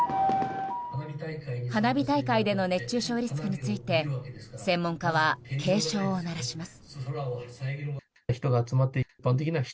花火大会での熱中症リスクについて専門家は警鐘を鳴らします。